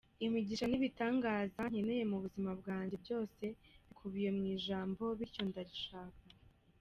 Imigisha n’ibitangaza nkeneye mu buzima bwanjye byose bikubiye mu Ijambo ; bityo ndarishaka.